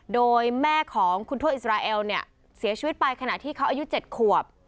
โดยแม่ของคุณทวดอิสราเอลเนี่ยเสียชีวิตไปขณะที่เขาอายุ๗ขวบ